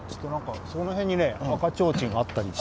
その辺に赤ちょうちんがあったりして。